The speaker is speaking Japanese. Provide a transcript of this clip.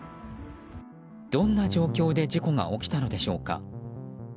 どんな状況で事故が起きたのでしょうか。